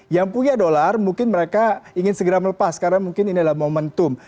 yang punya dolar mungkin mereka ingin segera melepas karena mungkin ini adalah momentum